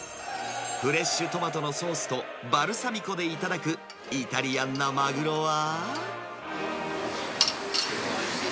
フレッシュトマトのソースとバルサミコで頂くイタリアンなマグロおいしい！